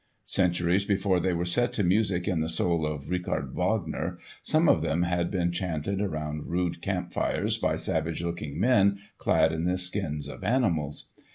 Centuries before they were set to music in the soul of Richard Wagner, some of them had been chanted around rude camp fires by savage looking men clad in the skins of animals.